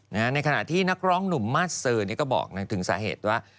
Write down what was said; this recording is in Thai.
ในขณะที่นักร้องหนุ่มมาสเซอร์ก็บอกถึงสาเหตุว่า